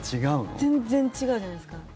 全然違うじゃないですか。